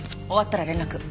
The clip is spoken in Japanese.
終わったら連絡。